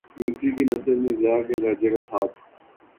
یوسفی کی نثر میں ضیاء کے لہجے کا ٹھاٹ